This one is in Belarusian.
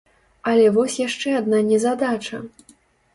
Але вось яшчэ адна незадача!